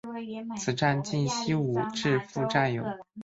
此站近西武秩父站有。